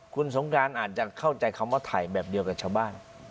คุณสงการอาจจะเข้าใจคำว่าถ่ายแบบเดียวกับชาวบ้าน